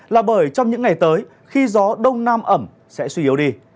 là bởi trong những ngày tới khi gió đông nam ẩm sẽ suy yếu đi